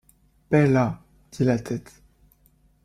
Paix là! dit la tête.